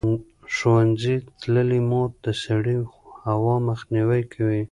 ښوونځې تللې مور د سړې هوا مخنیوی کوي.